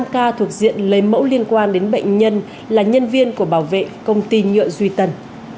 năm ca thuộc diện lấy mẫu liên quan đến bệnh nhân là nhân viên của bảo vệ công ty nhựa duy tần